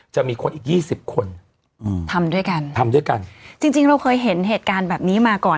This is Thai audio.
จะมีคนอีกยี่สิบคนอืมทำด้วยกันทำด้วยกันจริงจริงเราเคยเห็นเหตุการณ์แบบนี้มาก่อน